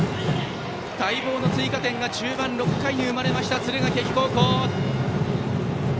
待望の追加点が中盤、６回に生まれました敦賀気比高校。